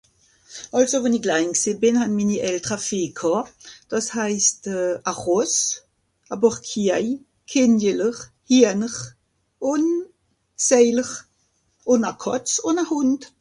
àlso won'i klain gsìnn bìn han minni Eltre Fee k'hà dàss haisst à Ròss à pàar Kiaï kenjeler hijän'r ùn saïler ùn à Kàtz ùn à Hùnd